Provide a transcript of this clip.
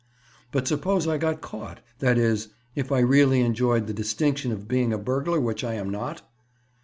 "But suppose I got caught?—that is, if I really enjoyed the distinction of being a burglar which I am not?"